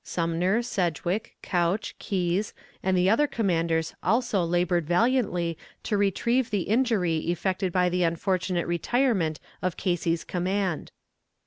Sumner, Sedgwick, Couch, Keyes and the other commanders also labored valiantly to retrieve the injury effected by the unfortunate retirement of Casey's command.